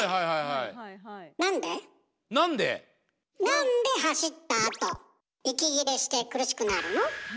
なんで走ったあと息切れして苦しくなるの？